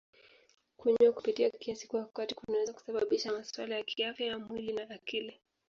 Kunywa kupita kiasi kwa wakati kunaweza kusababisha masuala ya kiafya ya mwili na akili.